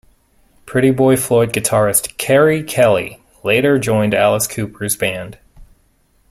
Pretty Boy Floyd guitarist Keri Kelli later joined Alice Cooper's band.